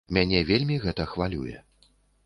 Мяне вельмі гэта хвалюе.